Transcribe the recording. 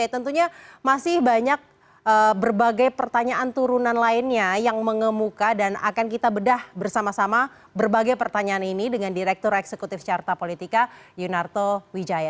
tentunya masih banyak berbagai pertanyaan turunan lainnya yang mengemuka dan akan kita bedah bersama sama berbagai pertanyaan ini dengan direktur eksekutif carta politika yunarto wijaya